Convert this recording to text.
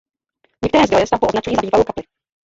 Některé zdroje stavbu označují za bývalou kapli.